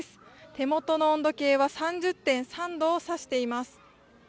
手元の温度計は３０．３度を差しています。